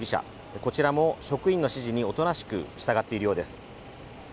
こちらも、職員の指示におとなしく従っているようです。